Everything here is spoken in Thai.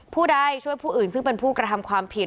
ผู้ใดช่วยผู้อื่นซึ่งเป็นผู้กระทำความผิด